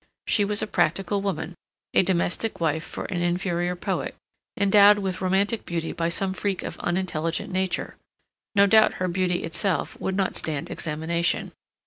She was a practical woman, a domestic wife for an inferior poet, endowed with romantic beauty by some freak of unintelligent Nature. No doubt her beauty itself would not stand examination.